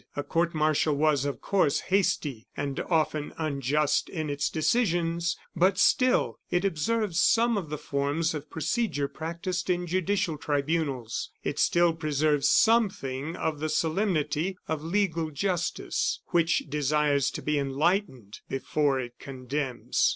A court martial was, of course, hasty and often unjust in its decisions; but still, it observed some of the forms of procedure practised in judicial tribunals. It still preserved something of the solemnity of legal justice, which desires to be enlightened before it condemns.